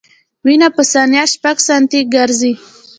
وینه په ثانیه شپږ سانتي ګرځي.